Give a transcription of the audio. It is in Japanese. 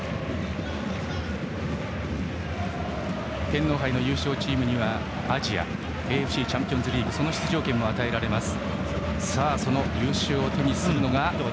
天皇杯の優勝チームにはアジアＡＦＣチャンピオンズリーグその出場権が与えられます。